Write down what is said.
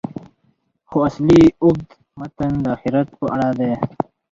خو اصلي اوږد متن د آخرت په اړه دی.